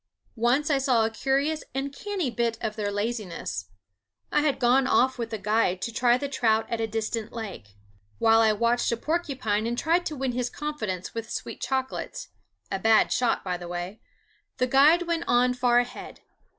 Once I saw a curious and canny bit of their laziness. I had gone off with a guide to try the trout at a distant lake. While I watched a porcupine and tried to win his confidence with sweet chocolate a bad shot, by the way the guide went on far ahead.